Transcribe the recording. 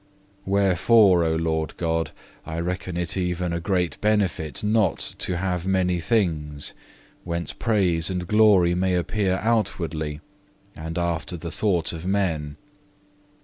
4. Wherefore, O Lord God, I reckon it even a great benefit, not to have many things, whence praise and glory may appear outwardly, and after the thought of men.